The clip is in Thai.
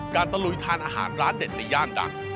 ตะลุยทานอาหารร้านเด็ดในย่านดัง